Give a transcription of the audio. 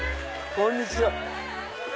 こんにちは。